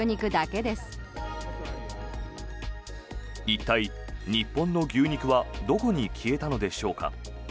一体、日本の牛肉はどこに消えたのでしょうか。